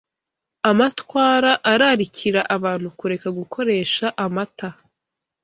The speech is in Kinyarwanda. amatwara ararikira abantu kureka gukoresha amata